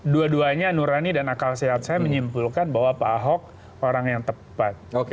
dua duanya nurani dan akal sehat saya menyimpulkan bahwa pak ahok orang yang tepat